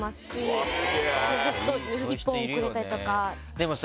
でもさ